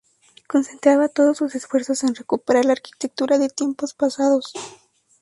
Concentraba todos sus esfuerzos en recuperar la arquitectura de tiempos pasados.